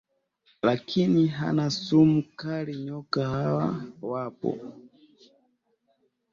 lakini hana sumu kali Nyoka hawa wapo